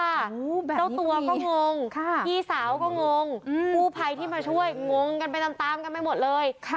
โอ้แบบนี้ดีเจ้าตัวก็งงค่ะยี่สาวก็งงอืมผู้ไพที่มาช่วยงงกันไปตามตามกันไม่หมดเลยค่ะ